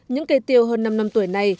những cây tiêu hơn năm năm tuổi này